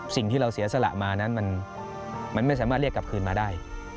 สิ่งที่เราเสียสละมานั้นมันไม่สามารถเรียกกลับคืนมาได้